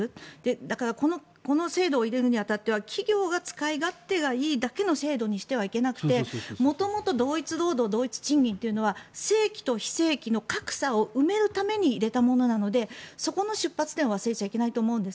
だからこの制度を入れるに当たっては企業が使い勝手がいいだけの制度にしてはいけなくて元々同一労働同一賃金というのは正規と非正規の格差を埋めるために入れたものなのでそこの出発点は忘れちゃいけないと思うんです。